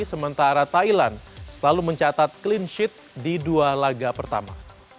sementara thailand selalu mencatat clean sheet di dua laga pertama